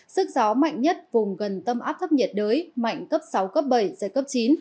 sức gió mạnh nhất vùng gần tâm áp thấp nhiệt đới mạnh cấp sáu cấp bảy dây cấp chín